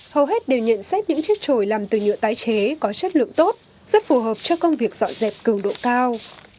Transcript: hầu hết đều nhận xét những chiếc trội làm từ nhựa tái chế có chất lượng tốt rất phù hợp cho công việc dọn dẹp cường độ cao